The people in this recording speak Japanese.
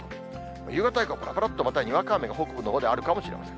夕方以降、ぱらぱらっとまたにわか雨が北部のほうであるかもしれません。